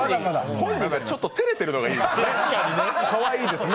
本人がちょっと照れてるのがいいですね。